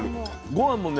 御飯もね